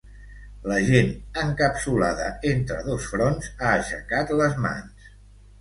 La gent encapsulada entre dos fronts ha aixecat les mans.